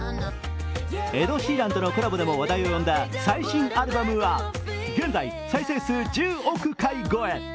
エド・シーランとのコラボでも話題を呼んだ最新アルバムは現在、再生数１０億回超え。